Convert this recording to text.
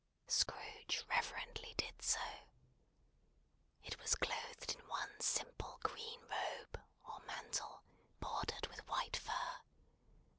Scrooge reverently did so. It was clothed in one simple green robe, or mantle, bordered with white fur.